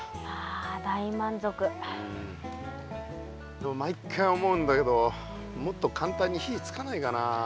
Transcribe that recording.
でも毎回思うんだけどもっとかんたんに火つかないかな。